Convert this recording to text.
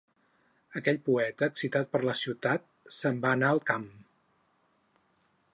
Aquell poeta, excitat per la ciutat, se'n va anar al camp.